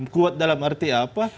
kuat dalam arti apa